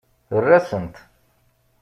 Err-asent.